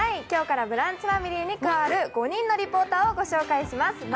今日からブランチファミリーに加わる５人のリポーターをご紹介します。